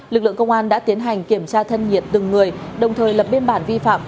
lực lượng công an đã tiến hành kiểm tra thân nhiệt từng người đồng thời lập biên bản vi phạm